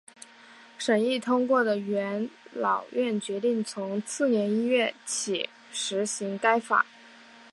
审议通过的元老院决定从次年一月起施行该法。